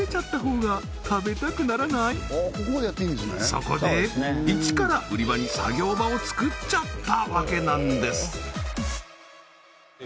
そこで一から売り場に作業場を作っちゃったわけなんです